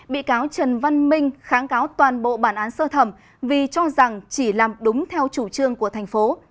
bị cáo trần văn minh kháng cáo toàn bộ bản án sơ thẩm vì cho rằng chỉ làm đúng theo chủ trương của thành phố